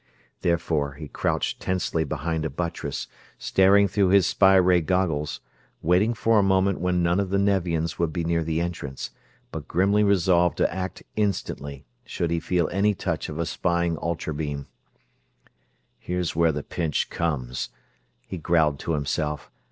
Therefore he crouched tensely behind a buttress, staring through his spy ray goggles, waiting for a moment when none of the Nevians would be near the entrance, but grimly resolved to act instantly should he feel any touch of a spying ultra beam. "Here's where the pinch comes," he growled to himself.